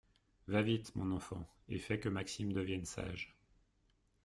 Va vite, mon enfant, et fais que Maxime devienne sage.